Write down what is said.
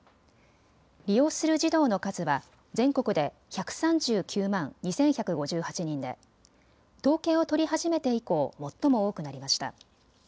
利用する児童の数は全国で１３９万２１５８人で統計を取り始めて以降、最も多くなりました。